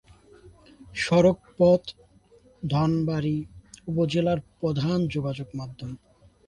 সড়কপথ ধনবাড়ী উপজেলার প্রধান যোগাযোগ মাধ্যম।